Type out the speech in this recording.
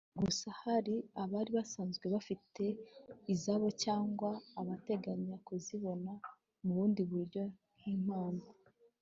Gusa hari abari basanzwe bafite izabo cyangwa abateganyaga kuzibona mu bundi buryo nk’impano